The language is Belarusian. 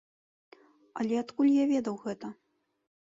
Але адкуль я ведаў гэта?